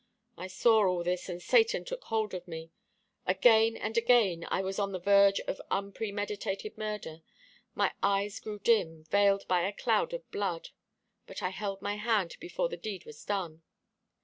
I saw all this, and Satan took hold of me. Again and again I was on the verge of unpremeditated murder. My eyes grew dim, veiled by a cloud of blood; but I held my hand before the deed was done.